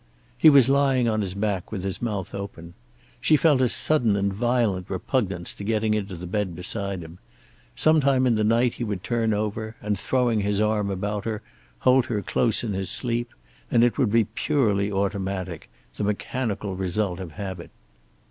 He was lying on his back, with his mouth open. She felt a sudden and violent repugnance to getting into the bed beside him. Sometime in the night he would turn over and throwing his arm about her, hold her close in his sleep; and it would be purely automatic, the mechanical result of habit.